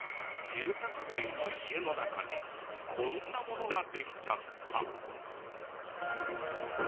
住宅街の家の中にこんなものができちゃった！